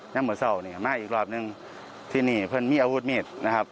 แล้วเหมือนเศร้าเนี่ยมาอีกรอบนึงที่นี่เพื่อนมีอาวุธมีดนะครับ